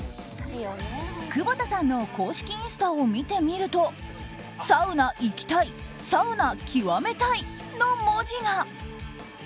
窪田さんの公式インスタを見てみるとサウナイキタイサウナキワメタイの文字が。